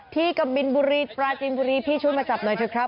กะบินบุรีปราจินบุรีพี่ช่วยมาจับหน่อยเถอะครับ